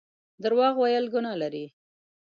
درواغ ويل ګناه لري